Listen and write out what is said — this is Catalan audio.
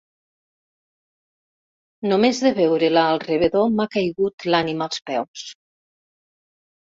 Només de veure-la al rebedor m'ha caigut l'ànima als peus.